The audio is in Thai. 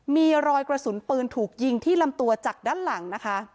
มีรอยกระสุนปืนถูกยิงที่ลำตัวจากด้านหลังนะคะ